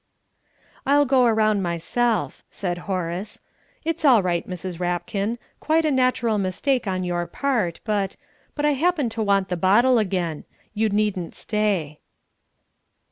"I'll go round myself," said Horace. "It's all right, Mrs. Rapkin, quite a natural mistake on your part, but but I happen to want the bottle again. You needn't stay."